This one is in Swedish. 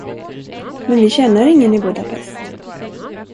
Men vi känner ingen i Budapest.